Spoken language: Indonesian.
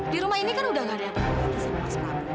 di rumah ini kan udah gak ada apa apa lagi sama mas prabu